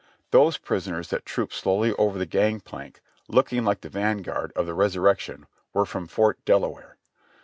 Those prisoners that trooped slowly over the gang plank, looking like the van guard of the Resurrection, were from Fort Delaware.